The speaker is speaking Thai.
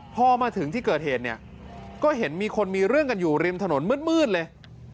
พอมาถึงที่เกิดเหตุเนี่ยก็เห็นมีคนมีเรื่องกันอยู่ริมถนนมืดเลย